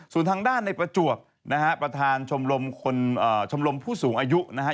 ส่วนทางด้านในประจวบนะฮะประธานชมรมคนชมรมผู้สูงอายุนะฮะ